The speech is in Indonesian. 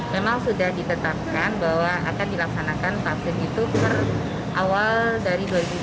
memang sudah ditetapkan bahwa akan dilaksanakan vaksin itu